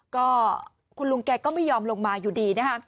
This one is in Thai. ก็คุณลุงแกก็ไม่ยอมลงมาอยู่ดีนะคะ